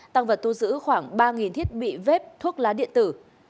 tăng vật thu giữ khoảng ba thiết bị vớt thuốc lá điện tử